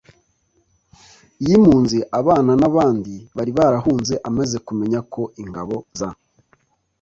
y impunzi abana n abandi bari barahunze amaze kumenya ko ingabo za rpa